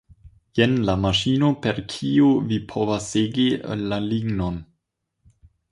Jen la maŝino, per kiu vi povas segi la lignon.